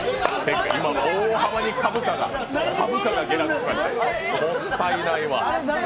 今、大幅に株価が下落しましたもったいないわ。